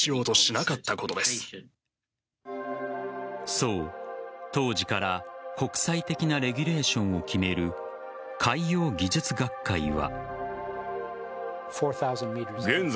そう、当時から国際的なレギュレーションを決める海洋技術学会は。